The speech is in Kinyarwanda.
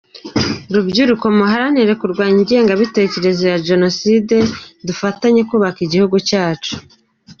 Rubyiruko muharanire kurwanya ingengabitekerezo ya Jenoside, dufatanye kubaka igihugu cyacu.